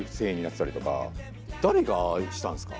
誰がああしたんですか？